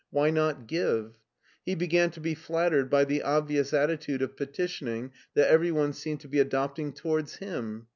Why not give? He began to be flattered by the obvious attitude of petitioning that every one seemed to be adopting towards him.